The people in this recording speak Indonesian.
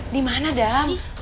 di mana dam